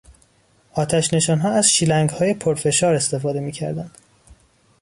آتش نشانها از شیلنگهای پرفشار استفاده میکردند.